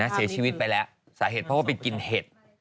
เสียชีวิตไปแล้วสาเหตุเพราะว่าไปกินเห็ด